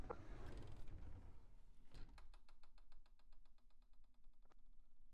কিন্তু মেসোমশায় যতক্ষণ না আমাকে পোষ্যপুত্র গ্রহণ করেন ততক্ষণ নিশ্চিন্ত হতে পারছি নে।